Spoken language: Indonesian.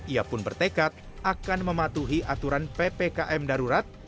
ia pun bertekad akan mematuhi aturan ppkm darurat